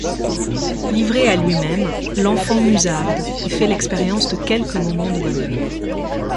Livré à lui-même, l'enfant musarde et fait l'expérience de quelques moments de bonheur.